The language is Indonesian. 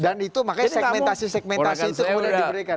dan itu makanya segmentasi segmentasi itu sudah diberikan